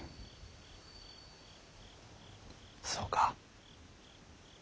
そうか。